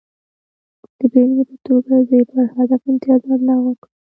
د بېلګې په توګه دوی پر هدف امتیازات لغوه کړل